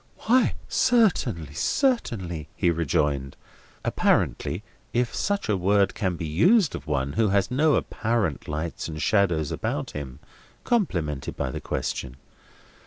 "Why, certainly, certainly," he rejoined; apparently—if such a word can be used of one who had no apparent lights or shadows about him—complimented by the question.